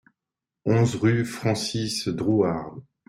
onze rue Francis Drouhard